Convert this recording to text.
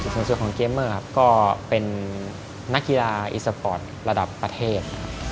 ส่วนตัวของเกมเมอร์ครับก็เป็นนักกีฬาอีสปอร์ตระดับประเทศ